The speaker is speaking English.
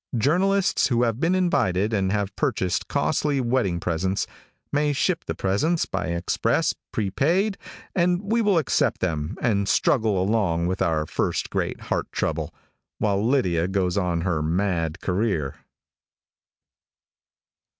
Journalists who have been invited, and have purchased costly wedding presents, may ship the presents by express, prepaid, and we will accept them, and struggle along with our first great heart trouble, while Lydia goes on in her mad career.